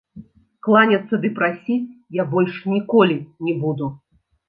Кланяцца ды прасіць я больш ніколі не буду.